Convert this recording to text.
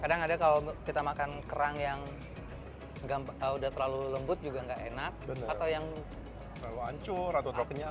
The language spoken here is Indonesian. kadang ada kalau kita makan kerang yang udah terlalu lembut juga gak enak